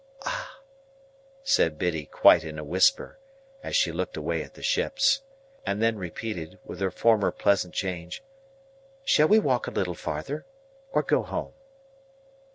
"Ah!" said Biddy, quite in a whisper, as she looked away at the ships. And then repeated, with her former pleasant change, "shall we walk a little farther, or go home?"